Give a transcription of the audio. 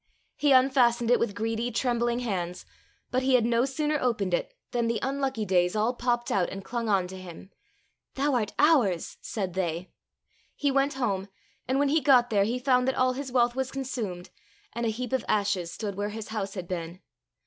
He unfastened it with greedy, trembling hands ; but he had no sooner opened it than the Unlucky Days all popped out and clung on to him. " Thou art ours !" said they. He went home, and when he got there he found that all his wealth was consumed, and a heap of ashes stood where his house had been.